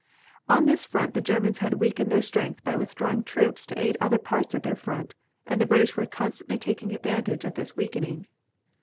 On this front the Germans had weakened their strength by withdrawing troops to aid other parts of their front, and the British were constantly taking advantage of this weakening.